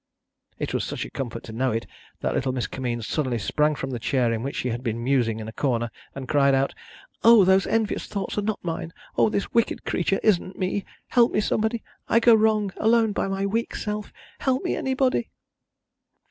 It was such a comfort to know it, that little Miss Kitty Kimmeens suddenly sprang from the chair in which she had been musing in a corner, and cried out, "O those envious thoughts are not mine, O this wicked creature isn't me! Help me, somebody! I go wrong, alone by my weak self! Help me, anybody!"